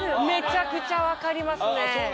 めちゃくちゃ分かりますね。